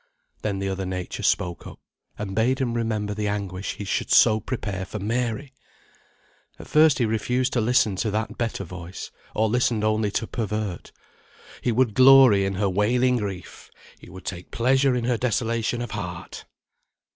Then the other nature spoke up, and bade him remember the anguish he should so prepare for Mary! At first he refused to listen to that better voice; or listened only to pervert. He would glory in her wailing grief! he would take pleasure in her desolation of heart!